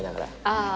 ああ。